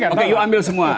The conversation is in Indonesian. oke yuk ambil semua